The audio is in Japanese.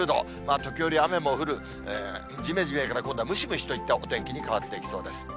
時折雨も降る、じめじめから、今度ムシムシといったお天気に変わっていきそうです。